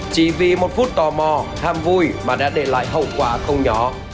chỉ vì một phút tò mò ham vui mà đã để lại hậu quả không nhỏ